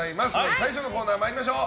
最初のコーナー参りましょう。